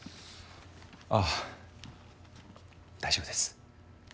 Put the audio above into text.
あっ大丈夫です。